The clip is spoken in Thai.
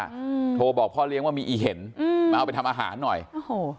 อืมโทรบอกพ่อเลี้ยงว่ามีอีเห็นอืมมาเอาไปทำอาหารหน่อยโอ้โห